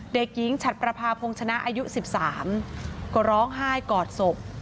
เด็กหญิงฉัดประพาพงชนะอายุ๑๓ก็ร้องไห้กอดศพ